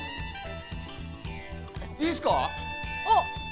いいですか？